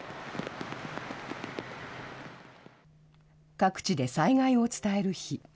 各地で災害を伝える碑。